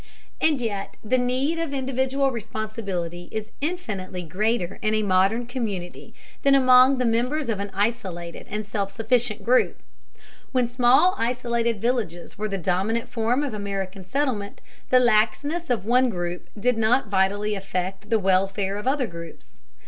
And yet the need of individual responsibility is infinitely greater in a modern community than among the members of an isolated and self sufficient group. When small isolated villages were the dominant form of American settlement, the laxness of one group did not vitally affect the welfare of other groups.